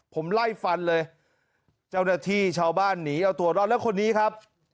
ผมไล่ฟันเลยเจ้าหน้าที่ชาวบ้านหนีเอาตัวรอดแล้วคนนี้ครับ